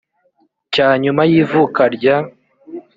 cya nyuma y ivuka rya